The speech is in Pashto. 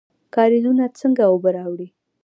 کاریزونه څنګه اوبه راوړي؟